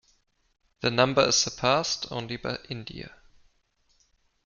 The number is surpassed only by India.